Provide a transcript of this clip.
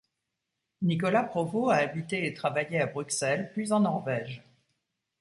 Nicolas Provost a habité et travaillé à Bruxelles puis en Norvège.